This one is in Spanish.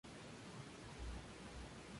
La pintura además celebra el tema de la castidad.